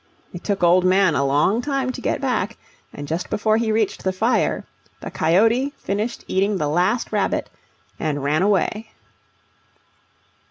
It took Old Man a long time to get back, and just before he reached the fire, the coyote finished eating the last rabbit and ran away.